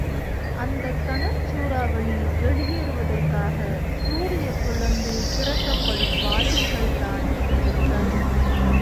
அந்தக் கனற் சூறாவளி வெளியேறுவதற்காகச் சூரியப் பிழம்பில் திறக்கப்படும் வாயில்கள்தான் அந்தத் கரும்புள்ளிகள்!